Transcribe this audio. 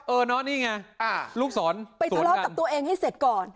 เออเนอะนี่ไงลูกศรไปทะเลาะกับตัวเองให้เสร็จก่อน